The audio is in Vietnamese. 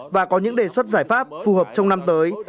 và có những đề xuất giải pháp phù hợp trong năm tới